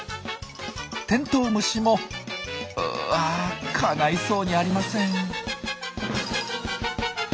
テントウムシもうわかないそうにありません。